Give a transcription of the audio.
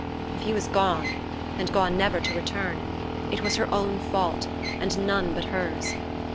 If he was gone, and gone never to return, it was her own fault, and none but hers.